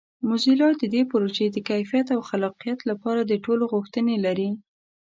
موزیلا د دې پروژې د کیفیت او خلاقیت لپاره د ټولو غوښتنې لري.